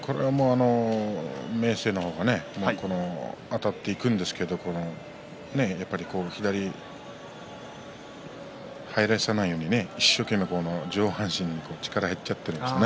明生の方があたっていくんですが左、入らせないように一生懸命上半身に力が入ってしまいました。